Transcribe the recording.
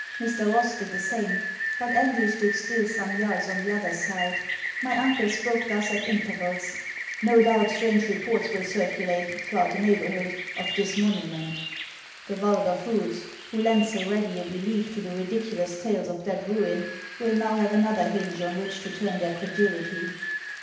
Mr. Ross did the same, but Andrew stood still some yards on the other side. My uncle spoke thus at intervals. 'No doubt strange reports will circulate, throughout the neighbourhood, of this monument.' 'The vulgar fools, who lend so ready a belief to the ridiculous tales of that Ruin, will now have another hinge on which to turn their credulity.'